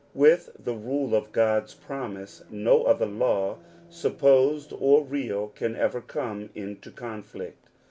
With the rule of God's promise no other law, supposed or real, can ever come into conflict.